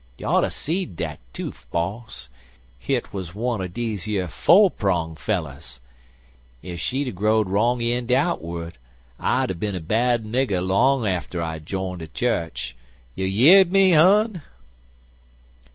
You oughter seed dat toof, boss. Hit wuz wunner deze yer fo' prong fellers. Ef she'd a grow'd wrong eend out'ard, I'd a bin a bad nigger long arter I jin'd de chu'ch. You year'd my ho'n!"